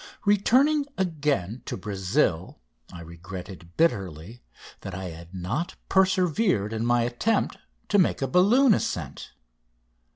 Returning again to Brazil I regretted bitterly that I had not persevered in my attempt to make a balloon ascent.